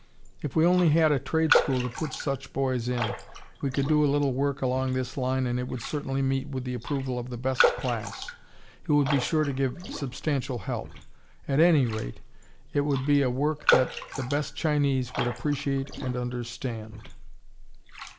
If we only had a trade school to put such boys in, we could do a little work along this line and it would certainly meet with the approval of the best class, who would be sure to give substantial help. At any rate, it would be a work that the best Chinese would appreciate and understand."